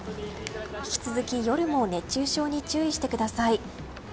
引き続き夜も熱中症に注意してください。